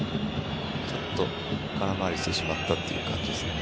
ちょっと空回りしてしまったという感じですね。